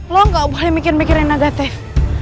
lo gak boleh mikir mikir yang negatif